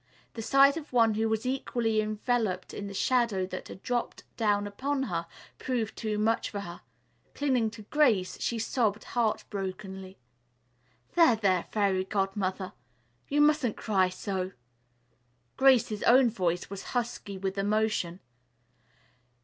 The sight of one who was equally enveloped in the shadow that had dropped down upon her, proved too much for her. Clinging to Grace, she sobbed heart brokenly. "There, there, dear Fairy Godmother. You mustn't cry so!" Grace's own voice was husky with emotion.